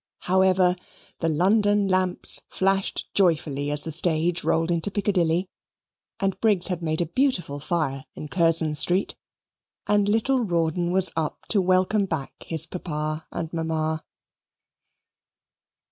However, the London lamps flashed joyfully as the stage rolled into Piccadilly, and Briggs had made a beautiful fire in Curzon Street, and little Rawdon was up to welcome back his papa and mamma.